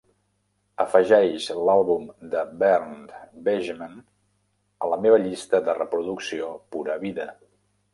afegeix l'àlbum de Bernd Begemann a la meva llista de reproducció pura vida